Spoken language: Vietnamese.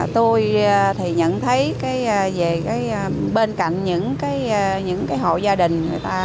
tôi nhận thấy bên cạnh những hộ gia đình